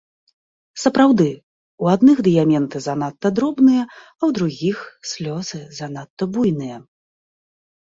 Сапраўды, у адных дыяменты занадта дробныя, а ў другіх слёзы занадта буйныя.